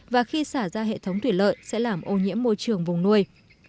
và khi xả ra hệ thống thủy lợi sẽ làm ô nhiễm môi trường vùng nuôi